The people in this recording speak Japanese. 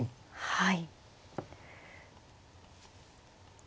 はい。